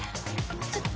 ちょっと。